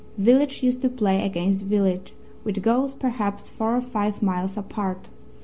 Village used to play against village, with goals perhaps four or five miles apart.